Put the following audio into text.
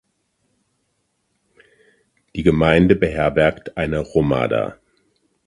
Die Gemeinde beherbergt eine Hromada.